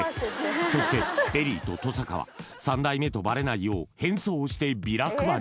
そしてＥＬＬＹと登坂は三代目とバレないよう変装してビラ配り。